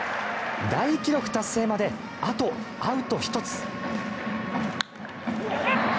大記録達成まであとアウト１つ。